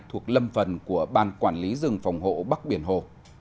thuộc lâm phần của ban quản lý rừng phòng hộ bắc biển hồ